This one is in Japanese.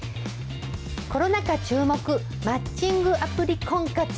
コロナ禍注目、マッチングアプリ婚活。